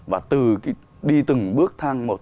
và từ đi từng bước thang một